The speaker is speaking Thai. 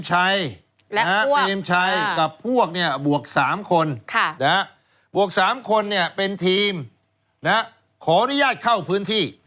เช่นที่ที่ที่คนนะขออนุญาตเข้าพื้นที่